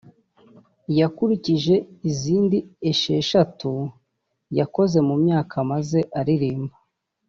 yakurikije izindi esheshatu yakoze mu myaka amaze aririmba